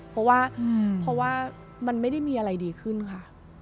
เพราะว่ามันไม่ได้มีอะไรดีขึ้นค่ะ